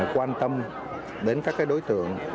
quan tâm đến các cái đối tượng